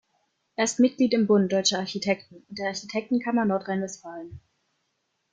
Er ist Mitglied im Bund Deutscher Architekten und der Architektenkammer Nordrhein-Westfalen.